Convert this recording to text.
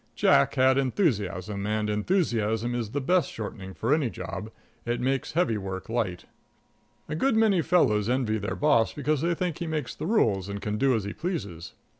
Jack had enthusiasm, and enthusiasm is the best shortening for any job; it makes heavy work light. A good many young fellows envy their boss because they think he makes the rules and can do as he pleases.